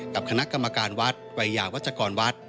กับคณะกรรมการวัดวัยยาวัชกรวัด